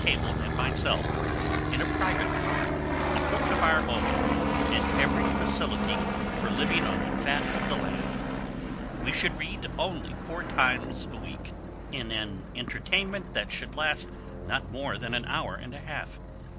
Cable and myself, in a private car, with a cook of our own, and every facility for living on the fat of the land. We should read only four times a week, in an entertainment that should not last more than an hour and a half.